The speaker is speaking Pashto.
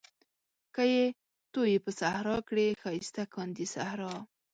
که يې تويې په صحرا کړې ښايسته کاندي صحرا